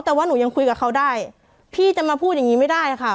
แต่ว่าหนูยังคุยกับเขาได้พี่จะมาพูดอย่างงี้ไม่ได้ค่ะ